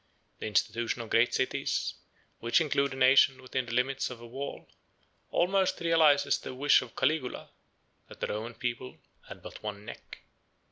The institution of great cities, which include a nation within the limits of a wall, almost realizes the wish of Caligula, that the Roman people had but one neck.